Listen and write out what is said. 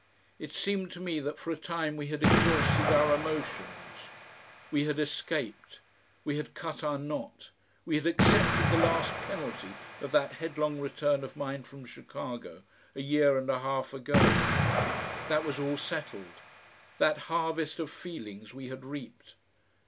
It seemed to me that for a time we had exhausted our emotions. We had escaped, we had cut our knot, we had accepted the last penalty of that headlong return of mine from Chicago a year and a half ago. That was all settled. That harvest of feelings we had reaped.